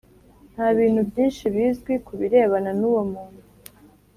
nta bintu byinshi bizwi ku birebana n’uwo muntu